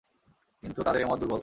কিন্তু তাদের এ মত দুর্বল।